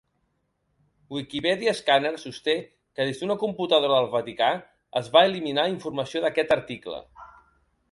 Wikipedia Escàner sosté que des d'una computadora del Vaticà es va eliminar informació d'aquest article.